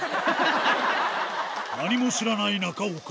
何も知らない中岡。